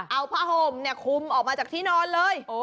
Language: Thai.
เอาผ้าห่มคุมออกมาจากที่นอนเลย